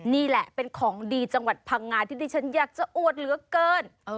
นี่แหละเป็นของดีจังหวัดพังงาที่ที่ฉันอยากจะอวดเหลือเกิน